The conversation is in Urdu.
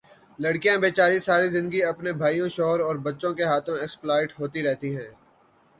لڑکیاں بے چاری ساری زندگی اپنے بھائیوں، شوہر اور بچوں کے ہاتھوں ایکسپلائٹ ہوتی رہتی ہیں